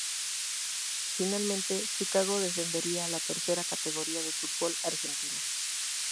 Finalmente, Chicago descendería a la tercera categoría del fútbol argentino.